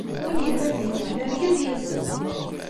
Win yellan deg-wen d argaz, yas-d.